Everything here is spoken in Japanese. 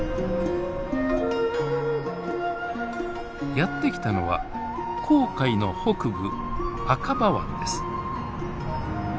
やって来たのは紅海の北部アカバ湾です。